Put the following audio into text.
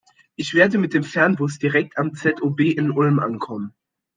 Ich werde mit dem Fernbus direkt am ZOB in Ulm ankommen.